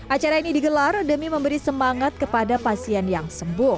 acara ini digelar demi memberi semangat kepada pasien yang sembuh